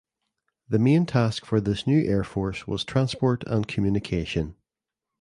The main task for this new air force was transport and communication.